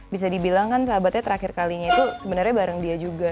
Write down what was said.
bisa dibilang kan sahabatnya terakhir kalinya itu sebenarnya bareng dia juga